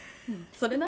それな！